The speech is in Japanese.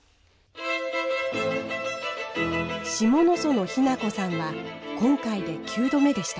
下野園ひな子さんは今回で９度目でした。